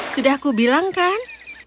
sudah aku bilang kan